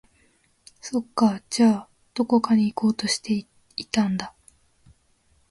そっか、じゃあ、どこか行こうとしていたんだ